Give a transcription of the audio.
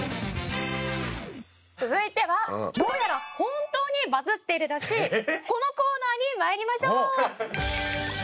続いてはどうやら本当にバズっているらしいこのコーナーに参りましょう！